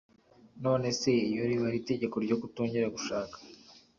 none se iyo riba ari itegeko ryo kutongera gushaka